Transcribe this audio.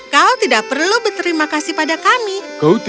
kamu tidak perlu berterima kasih kepada kami